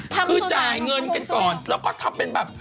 คือจ่ายเงินกันก่อนแล้วก็ทำเป็นแบบ